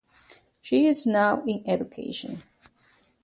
She is now in education.